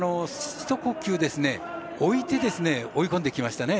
一呼吸置いて追い込んできましたね。